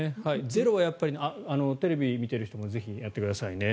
ゼロはやっぱりテレビ見ている人もぜひやってください。